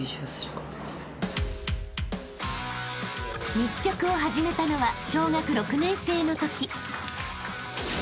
［密着を始めたのは小学６年生のとき］